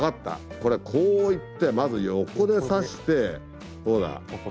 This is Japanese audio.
これこう行ってまず横で刺してほら。